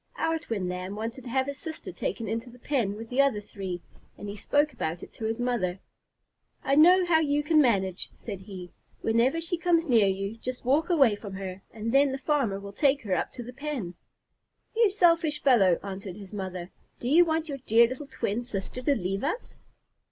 Our twin Lamb wanted to have his sister taken into the pen with the other three, and he spoke about it to his mother. "I know how you can manage," said he. "Whenever she comes near you, just walk away from her, and then the farmer will take her up to the pen." "You selfish fellow!" answered his mother. "Do you want your dear little twin sister to leave us?"